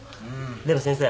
でも先生。